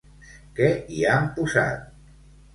Què hi han posat?